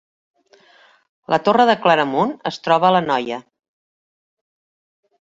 La Torre de Claramunt es troba a l’Anoia